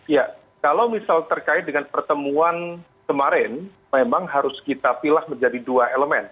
ya kalau misal terkait dengan pertemuan kemarin memang harus kita pilah menjadi dua elemen